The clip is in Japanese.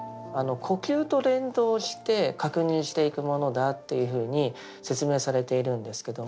呼吸と連動して確認していくものだというふうに説明されているんですけども。